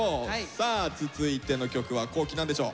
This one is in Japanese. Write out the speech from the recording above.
さあ続いての曲は皇輝何でしょう？